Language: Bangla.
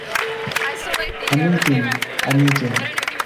আমিই তিনি, আমিই তিনি।